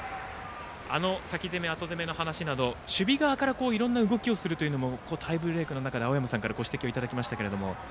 先攻め、後攻めの話など守備側からいろんな動きをするというのもタイブレークの中で青山さんからご指摘いただきましたけれども。